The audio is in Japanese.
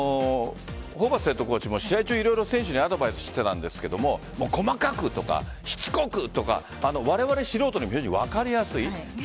ホーバスヘッドコーチも色々選手にアドバイスしてたんですけど細かくとか、しつこくとかわれわれ素人には分かりやすい。